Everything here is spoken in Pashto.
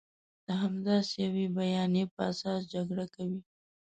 د همداسې یوې بیانیې په اساس جګړه کوي.